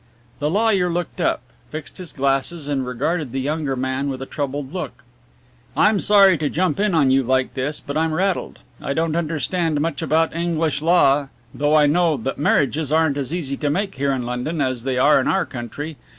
The lawyer looked up, fixed his glasses and regarded the younger man with a troubled look. "I'm sorry to jump in on you like this, but I'm rattled. I don't understand much about the English law though I know that marriages aren't as easy to make here in London as they are in our country.